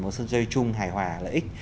một sự chơi chung hài hòa lợi ích